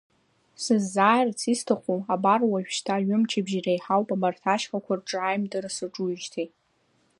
Сыззааирц исҭаху, абар уажәшьҭа ҩымчыбжь иреиҳауп абарҭ ашьхақәа рҿы аимдара саҿуижьҭеи.